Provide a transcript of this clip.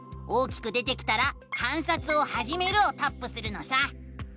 大きく出てきたら「観察をはじめる」をタップするのさ！